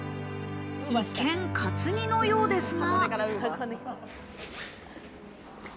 一見、カツ煮のようですが。